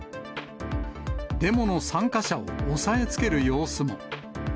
デモの参加者を押さえつける様子も。